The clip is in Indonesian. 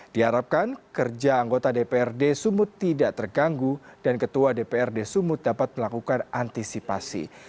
diharapkan kerja anggota dprd sumut tidak terganggu dan ketua dprd sumut dapat melakukan antisipasi